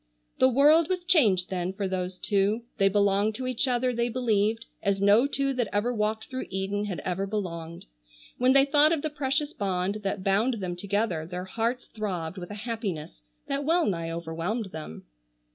The world was changed then for those two. They belonged to each other they believed, as no two that ever walked through Eden had ever belonged. When they thought of the precious bond that bound them together their hearts throbbed with a happiness that well nigh overwhelmed them.